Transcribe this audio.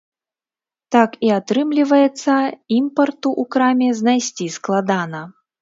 Так і атрымліваецца, імпарту ў краме знайсці складана.